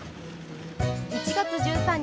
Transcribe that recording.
１月１３日